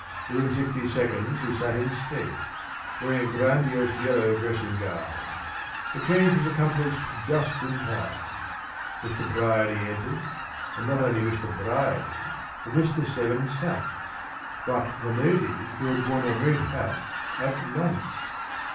Within sixty seconds he sat in state, wearing a grandiose yellow dressing gown. The change was accomplished just in time. Mr. Bryany entered, and not only Mr. Bryany, but Mr. Seven Sachs, and not only these, but the lady who had worn a red hat at lunch.